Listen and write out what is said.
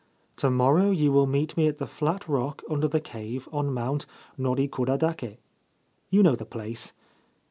To morrow you will meet me at the flat rock under the cave on Mount Norikuradake. You know the place.